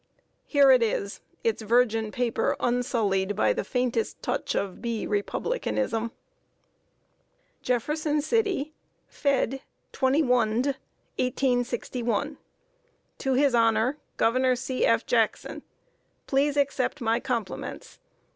Here it is its virgin paper unsullied by the faintest touch of "B. Republicanism." "JEFFERSON CITY, fed. 21nd 1861. "to his Honour Gov. C. F. JACKSON. Please Accept My Compliments.